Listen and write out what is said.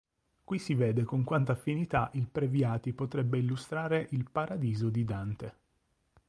Qui si vede con quanta affinità il Previati potrebbe illustrare il "Paradiso" di Dante.